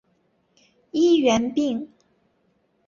医源病。